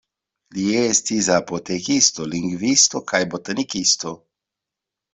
Li estis apotekisto, lingvisto kaj botanikisto.